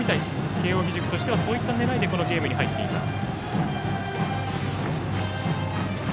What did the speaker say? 慶応義塾としてはそういった狙いでこのゲームに入っています。